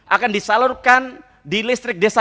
akan disalurkan di listrik desa